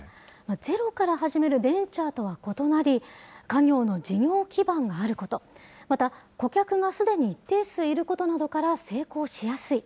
ゼロから始めるベンチャーとは異なり、家業の事業基盤があること、また顧客がすでに一定数いることなどから成功しやすい。